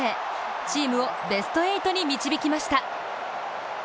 チームをベスト８に導きました。